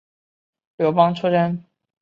刘邦出征皆与樊哙一同。